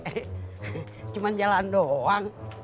eh cuma jalan doang